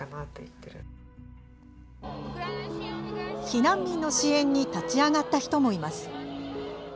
避難民の支援に立ち上がった人もいます。